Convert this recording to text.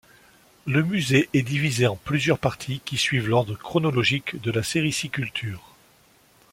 Le musée est divisé en plusieurs parties, qui suivent l’ordre chronologique de la sériciculture.